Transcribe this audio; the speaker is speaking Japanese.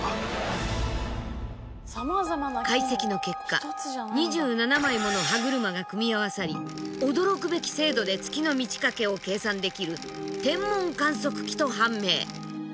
解析の結果２７枚もの歯車が組み合わさり驚くべき精度で月の満ち欠けを計算できる天文観測機と判明。